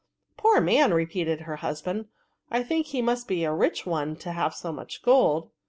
" Poor man !" repeated her hus band ;" I think he must be a rich one to have so much gold."